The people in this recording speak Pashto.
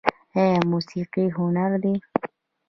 آیا موسیقي هنر دی؟